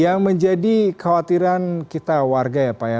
yang menjadi kekhawatiran kita warga ya pak ya